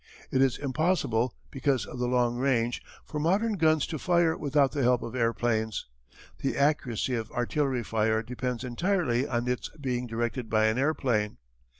It is impossible, because of the long range, for modern guns to fire without the help of airplanes. The accuracy of artillery fire depends entirely on its being directed by an airplane.